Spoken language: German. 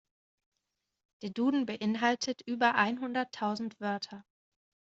Der Duden beeinhaltet über einhunderttausend Wörter.